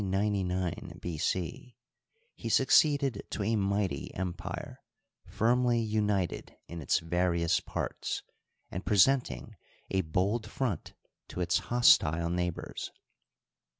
C, he succeeded to a mighty empire firmly united in its various parts and presenting a bold front to its hostile neighbors.